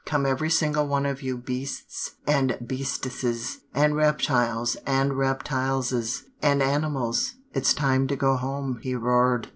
Come every single one of you beasts and beastesses, and reptiles and reptilesses, and animals; it's time to go home,' he roared.